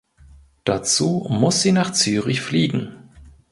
Dazu muss sie nach Zürich fliegen.